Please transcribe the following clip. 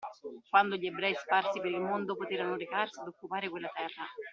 Quando gli ebrei sparsi per il mondo poterono recarsi ad occupare quella terra